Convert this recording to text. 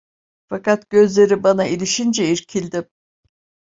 Fakat gözleri bana, ilişince irkildim.